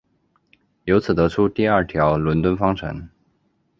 由此得出第二条伦敦方程。